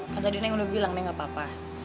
kan tadi neng udah bilang neng nggak apa apa